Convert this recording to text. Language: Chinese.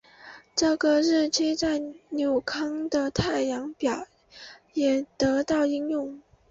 这个日期在纽康的太阳表也得到应用。